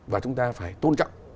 và chúng ta phải tôn trọng